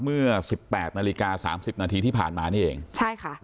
เมื่อสิบแปดนาฬิกาสามสิบนาทีที่ผ่านมานี่เองใช่ค่ะ